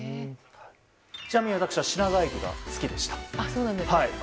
ちなみに私は品川駅が好きでした。